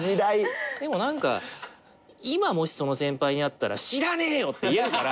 でも何か今もしその先輩に会ったら知らねえよ！って言えるから。